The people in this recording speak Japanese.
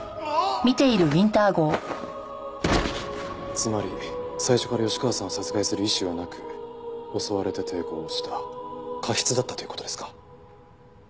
つまり最初から吉川さんを殺害する意思はなく襲われて抵抗した過失だったという事ですか？